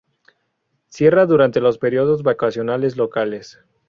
Cierra durante los periodos vacacionales locales.